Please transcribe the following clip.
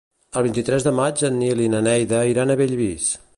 El vint-i-tres de maig en Nil i na Neida iran a Bellvís.